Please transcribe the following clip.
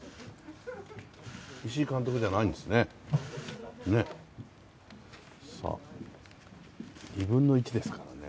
石井監督じゃないんですね。